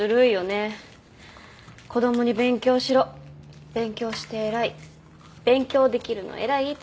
子供に「勉強しろ」「勉強して偉い」「勉強できるの偉い」って。